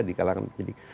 di kalangan penyidik